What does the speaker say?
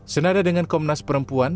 senada dengan komnas perempuan